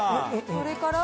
それから。